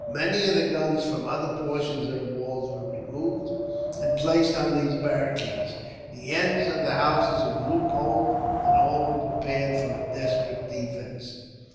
Many of the guns from other portions of the walls were removed, and placed on these barricades. The ends of the houses were loopholed, and all was prepared for a desperate defence.